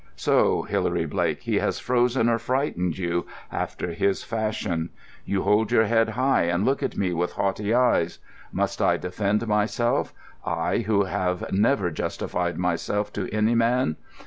"So, Hilary Blake, he has frozen or frightened you—after his fashion! You hold your head high and look at me with haughty eyes! Must I defend myself, I, who have never justified myself to any man?